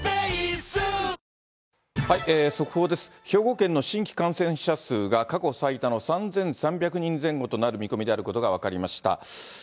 兵庫県の新規感染者数が過去最多の３３００人前後となる見込みであることが分かりました。